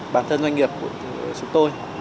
bản thân doanh nghiệp của chúng tôi